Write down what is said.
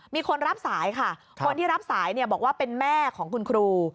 มีคนรับสายค่ะคนที่รับสายบอกว่าเป็นแม่ของคุณครู